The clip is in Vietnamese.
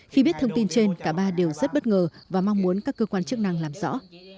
khi biết thông tin trên cả ba đều rất bất ngờ và mong muốn các cơ quan chức năng làm rõ